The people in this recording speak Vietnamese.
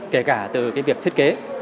kể cả từ việc thiết kế